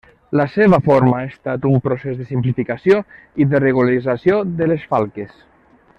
La seva forma ha estat un procés de simplificació i de regularització de les falques.